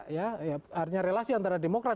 ya artinya relasi antara demokrat